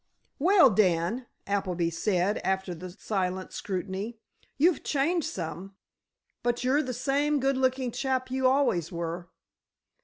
"Well, Dan," Appleby said, after the silent scrutiny, "you've changed some, but you're the same good looking chap you always were."